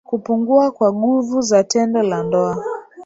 kupungua kwa guvu za tendo la ndoa